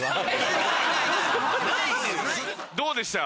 どうでした？